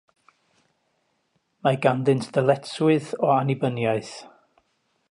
Mae ganddynt ddyletswydd o annibyniaeth.